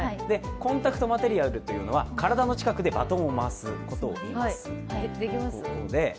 コンタクトマテリアルというのは体の近くでバトンを回すことをいいます。